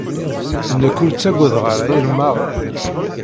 Nekk ur ttaggadeɣ ara iremmaɣen.